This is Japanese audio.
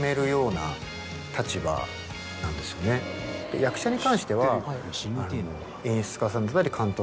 役者に関しては。